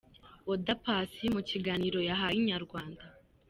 Oda Paccy mu kiganiro yahaye Inyarwanda.